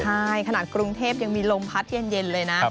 ใช่ขนาดกรุงเทพยังมีลมพัดเย็นเลยนะ